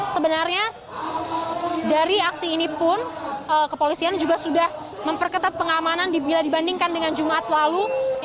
sebenarnya dari aksi ini pun kepolisian juga sudah memperketat pengamanan bila dibandingkan dengan jumat lalu